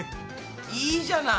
いいじゃない。